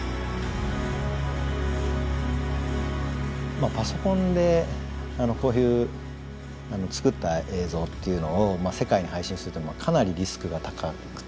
まあパソコンでこういう作った映像っていうのを世界に配信するってかなりリスクが高くてですね